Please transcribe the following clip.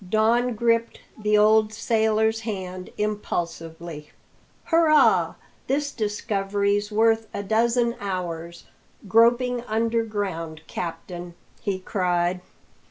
Don gripped the old sailor's hand impulsively. "Hurrah! this discovery's worth a dozen hours' groping underground, captain!" he cried.